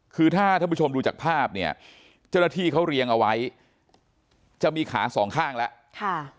คือถ้าท่านผู้ชมดูจากภาพเนี่ยเจ้าหน้าที่เขาเรียงเอาไว้จะมีขาสองข้างแล้ว